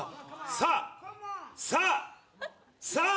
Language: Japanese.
さあさあさあ！